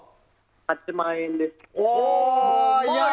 ８万円です。